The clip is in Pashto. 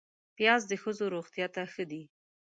پیاز د ښځو روغتیا ته ښه دی